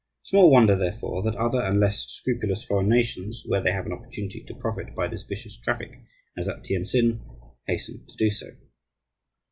Small wonder, therefore, that other and less scrupulous foreign nations, where they have an opportunity to profit by this vicious traffic, as at Tientsin, hasten to do so.